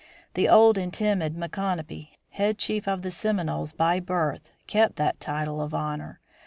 The old and timid Micanopy, head chief of the Seminoles by birth, kept that title of honor.